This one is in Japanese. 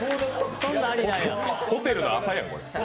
ホテルの朝や。